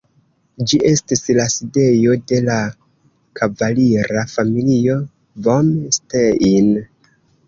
Ĝi estis la sidejo de la kavalira familio vom Stein.